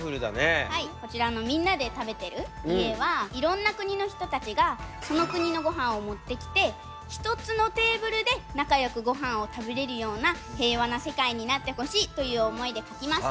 こちらのみんなで食べてる家はいろんな国の人たちがその国のごはんを持ってきて１つのテーブルで仲よくごはんを食べれるような平和な世界になってほしいという思いで描きました。